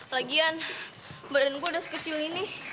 lagian badan gue udah sekecil ini